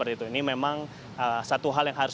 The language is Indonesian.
ini memang satu hal yang harus